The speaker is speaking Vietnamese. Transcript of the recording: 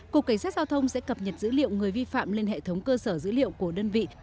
cục cảnh sát giao thông sẽ cập nhật dữ liệu người vi phạm lên hệ thống cơ sở dữ liệu của đơn vị